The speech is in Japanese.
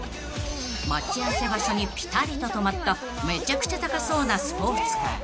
［待ち合わせ場所にピタリと止まっためちゃくちゃ高そうなスポーツカー］